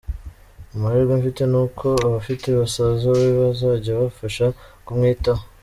Amahirwe mfite ni uko afite basaza be bazajya bamfasha kumwitaho.